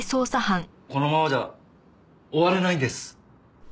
このままじゃ終われないんです。